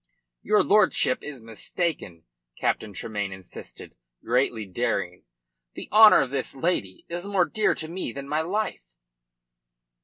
"Your lordship is mistaken," Captain Tremayne insisted, greatly daring. "The honour of this lady is more dear to me than my life."